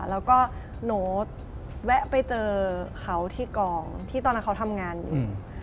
แล้วก็หนูแวะไปเจอเขาที่กองที่ตอนนั้นเขาทำงานอยู่